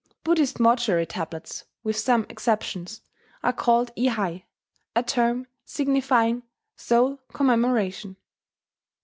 Buddhist mortuary tablets (with some exceptions) are called ihai, a term signifying "soul commemoration."